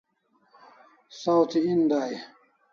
Saw thi en dai e?